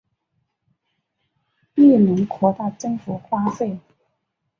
庇隆扩大政府花费。